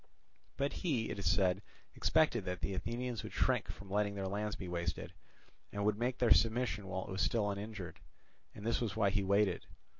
But he, it is said, expected that the Athenians would shrink from letting their land be wasted, and would make their submission while it was still uninjured; and this was why he waited.